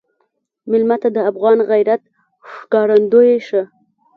مېلمه ته د افغان غیرت ښکارندوی شه.